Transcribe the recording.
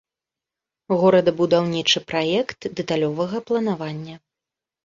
Горадабудаўнічы праект дэталёвага планавання.